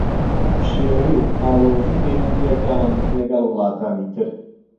پشێوی و ئاڵۆزیی پەیوەندییەکان لەگەڵ وڵاتانی تر